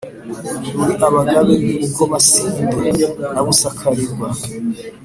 muri abagabe b’i bukomasinde na busakarirwa